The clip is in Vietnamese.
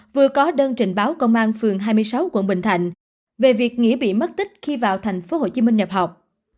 vừa có đơn trình báo công an phường hai mươi sáu quận bình thạnh về việc nghĩ bị mất tích khi vào tp hcm nhập học